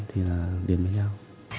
thì là đến với nhau